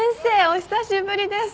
お久しぶりです。